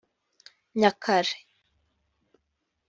Nyakare